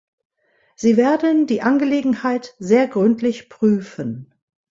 Sie werden die Angelegenheit sehr gründlich prüfen.